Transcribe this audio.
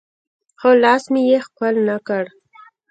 خو لاس مې يې ښکل نه کړ.